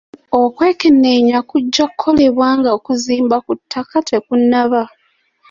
Okwekenneenya kujja kukolebwa nga okuzimba ku ttaka tekunnaba.